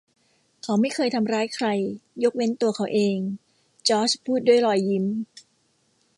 “เขาไม่เคยทำร้ายใคร ยกเว้นตัวเขาเอง” จอร์จพูดด้วยรอยยิ้ม